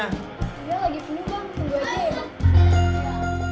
dia lagi penuh bang